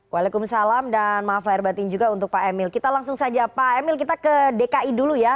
waalaikumsalam dan maaf lahir batin juga untuk pak emil kita langsung saja pak emil kita ke dki dulu ya